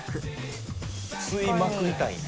吸いまくりたいんや。